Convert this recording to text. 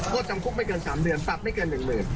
โทษจำคุกไม่เกิน๓เดือนปรับไม่เกิน๑๐๐๐บาท